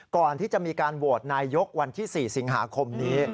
ก่อนที่จะมีการโหวตนายกวันที่๔สิงหาคมนี้